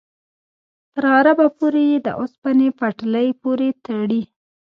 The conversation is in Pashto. تر غربه پورې یې د اوسپنې پټلۍ پورې تړي.